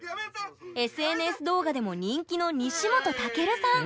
ＳＮＳ動画でも人気の西本たけるさん！